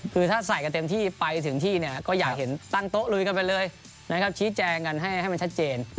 คือถ้าใส่กันเต็มที่ไปถึงที่เนี่ยก็อยากเห็นตั้งโต๊ะลุยกันไปเลยนะครับชี้แจงกันให้มันชัดเจน